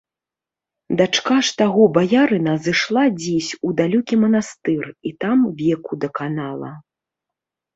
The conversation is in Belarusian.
Дачка ж таго баярына зышла дзесь у далёкі манастыр і там веку даканала.